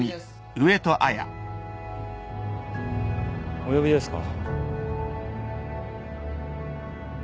お呼びですか？